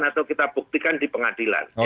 atau kita buktikan di pengadilan